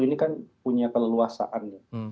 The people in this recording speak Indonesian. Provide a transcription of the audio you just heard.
ini kan punya keleluasaan